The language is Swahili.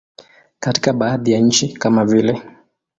Katika baadhi ya nchi kama vile.